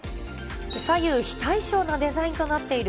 左右非対称なデザインとなっている